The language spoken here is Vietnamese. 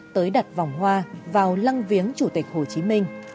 tới đặt vòng hoa vào lăng viếng chủ tịch hồ chí minh